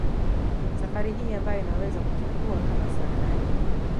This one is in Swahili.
Safari hii ambayo inaweza kuchukua kama saa nne